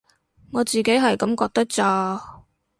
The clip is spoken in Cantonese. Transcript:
我自己係噉覺得咋